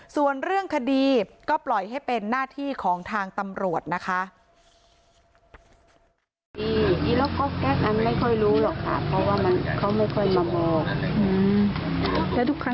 ส่วนเรื่องคดีก็ปล่อยให้เป็นหน้าที่ของทางตำรวจนะคะ